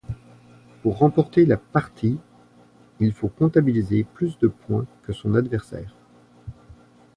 Pour remporter la partie, il faut comptabiliser plus de points que son adversaire.